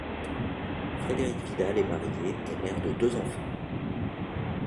Frédérique Vidal est mariée et mère de deux enfants.